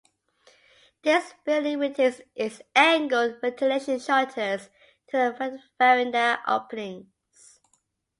This building retains its angled ventilation shutters to the verandah openings.